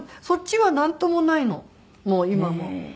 そっちはなんともないの今も。